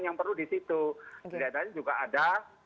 yang perlu disitu juga ada